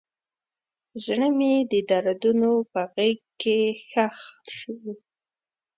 زړه مې د دردونو په غیږ کې ښخ شو.